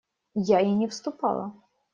Я и не вступала.